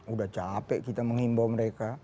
udah capek kita menghimbau mereka